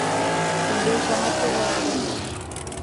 — Ынде Эчанат толеш дыр?